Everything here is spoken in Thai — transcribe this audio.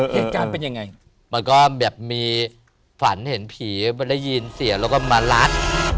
เหตุการณ์เป็นยังไงมันก็แบบมีฝันเห็นผีมันได้ยินเสียงแล้วก็มารัด